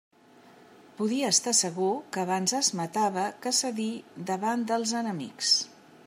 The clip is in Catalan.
Podia estar segur que abans es matava que cedir davant dels enemics.